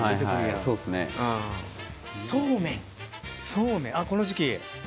そうめんあっこの時季。